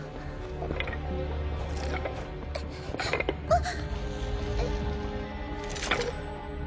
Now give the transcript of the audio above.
あっ！